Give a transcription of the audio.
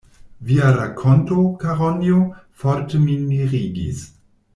Via rakonto, Karonjo, forte min mirigis.